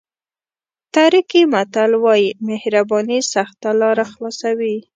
ترکي متل وایي مهرباني سخته لاره خلاصوي.